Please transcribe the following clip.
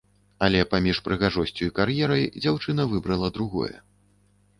Але паміж прыгажосцю і кар'ерай дзяўчына выбрала другое.